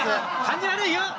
感じ悪いね。